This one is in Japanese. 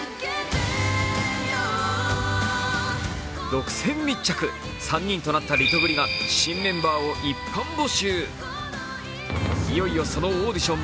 独占密着、３人となったリトグリが新メンバーをオーディション。